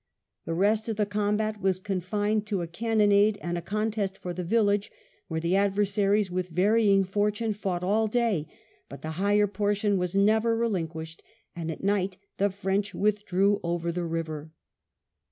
The rest of the combat was confined to a cannonade and a contest for the village, where the adversaries with varying fortune fought all day ; but the higher portion was never relinquished, and at night the French withdrew over the river.